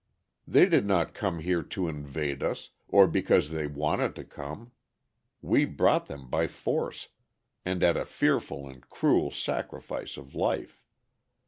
They did not come here to invade us, or because they wanted to come. We brought them by force, and at a fearful and cruel sacrifice of life.